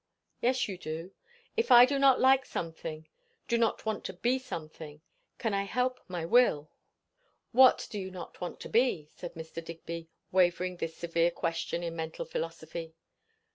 "Yes, you do. If I do not like something do not want to be something can I help my will?" "What do you not want to be?" said Mr. Digby, waiving this severe question in mental philosophy.